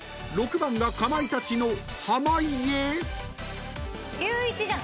［６番がかまいたちの濱家？］